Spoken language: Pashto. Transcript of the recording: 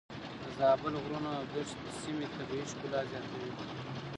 د زابل غرونه او دښتې د سيمې طبيعي ښکلا زياتوي.